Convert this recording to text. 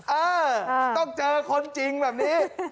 เออต้องเจอคนจริงแบบนี้